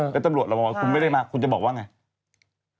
แล้วตำรวจเราบอกว่าคุณไม่ได้มาคุณจะบอกว่าไง